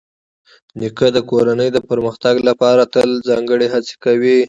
نیکه د کورنۍ د پرمختګ لپاره تل ځانګړې هڅې کوي.